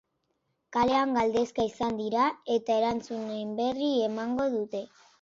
Kalean galdezka izan dira eta erantzunen berri emango dute.